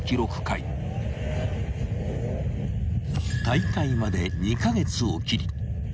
［大会まで２カ月を切り２１